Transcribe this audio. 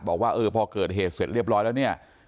บอกว่าเออพอเกิดเหตุเสร็จเรียบร้อยแล้วเนี่ย